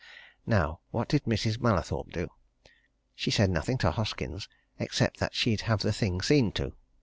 Now what did Mrs. Mallathorpe do? She said nothing to Hoskins, except that she'd have the thing seen to.